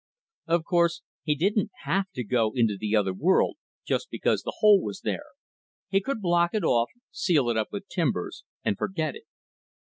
Of course, he didn't have to go into the other world, just because the hole was there. He could block it off, seal it up with timbers and forget it.